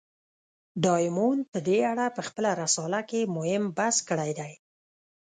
ډایمونډ په دې اړه په خپله رساله کې مهم بحث کړی دی.